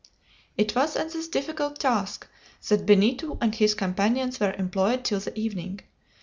It was in this difficult task that Benito and his companions were employed till the evening.